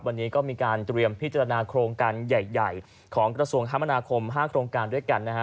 วันนี้ก็มีการเตรียมพิจารณาโครงการใหญ่ของกระทรวงคมนาคม๕โครงการด้วยกันนะฮะ